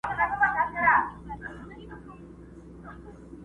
پر اوږو د وارثانو جنازه به دي زنګیږي.!